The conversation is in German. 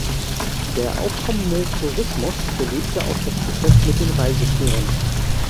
Der aufkommende Tourismus belebte auch das Geschäft mit den Reiseführern.